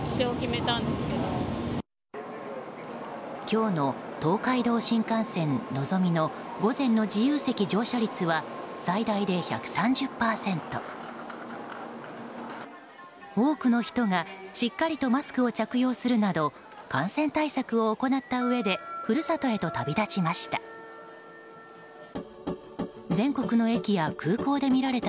多くの人がしっかりとマスクを着用するなど感染対策を行ったうえで故郷へと旅立ちました。